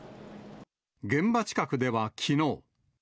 現場近くではきのう。